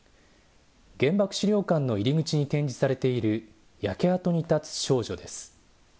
原爆資料館の入り口に展示されている、焼け跡に立つ少女です。